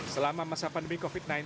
selama masa pandemi covid sembilan belas